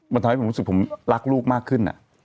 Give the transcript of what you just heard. มันทำให้ผมรู้สึกผมรักลูกมากขึ้น